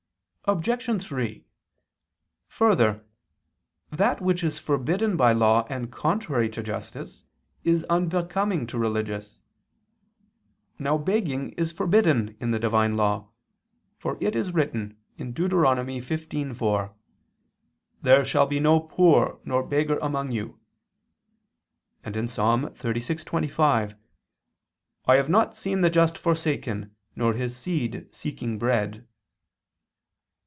Obj. 3: Further, that which is forbidden by law and contrary to justice, is unbecoming to religious. Now begging is forbidden in the divine law; for it is written (Deut. 15:4): "There shall be no poor nor beggar among you," and (Ps. 36:25): "I have not seen the just forsaken, nor his seed seeking bread."